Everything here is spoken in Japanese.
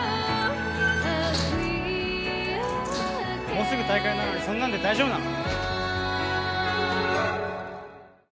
もうすぐ大会なのにそんなんで大丈夫なの？